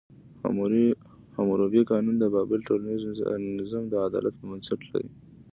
حموربي قانون د بابل ټولنیز نظم د عدالت په بنسټ لري.